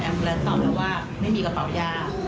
แล้วตอบแล้วว่าไม่มีกระเป๋ายา